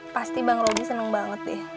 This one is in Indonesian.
pasti bang robi seneng banget deh